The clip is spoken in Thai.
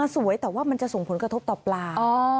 สวยแต่ว่ามันจะส่งผลกระทบต่อปลา